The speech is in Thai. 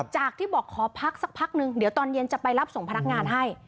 จากที่บอกขอพักสักพักนึงเดี๋ยวตอนเย็นจะไปรับส่งพนักงานให้